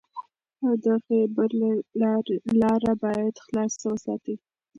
د خیبر لاره باید خلاصه وساتئ.